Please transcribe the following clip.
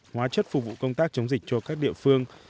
hóa chất phục vụ công tác chống dịch cho các địa phương